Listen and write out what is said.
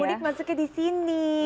mudik masuknya di sini